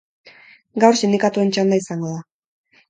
Gaur sindikatuen txanda izango da.